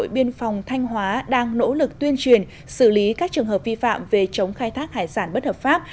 đội biên phòng thanh hóa đang nỗ lực tuyên truyền xử lý các trường hợp vi phạm về chống khai thác hải sản bất hợp pháp